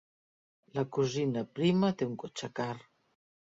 "La cosina prima té un cotxe car".